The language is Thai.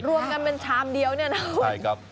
รวมกันเป็นชามเดียวเนี่ยนะใช่ครับ